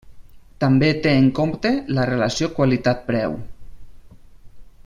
També té en compte la relació qualitat-preu.